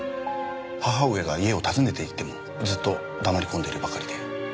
母上が家を訪ねて行ってもずっと黙り込んでいるばかりで。